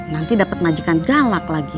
nanti dapat majikan galak lagi